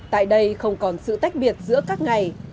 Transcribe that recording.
tại đây không còn sự tách biệt giữa các ngày